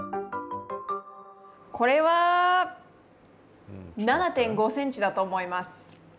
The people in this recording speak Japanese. これは７．５センチだと思います。